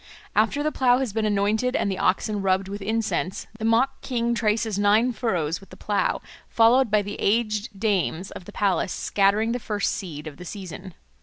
After the plough has been anointed and the oxen rubbed with incense, the mock king traces nine furrows with the plough, followed by aged dames of the palace scattering the first seed of the season.